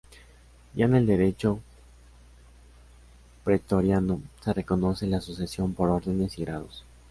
Ya en el derecho pretoriano se reconoce la sucesión por órdenes y grados.